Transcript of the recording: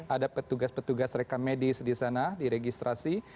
ada petugas petugas mereka medis di sana di registrasi